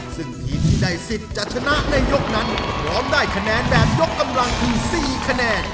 ซึ่งทีมที่ได้สิทธิ์จะชนะในยกนั้นพร้อมได้คะแนนแบบยกกำลังคือ๔คะแนน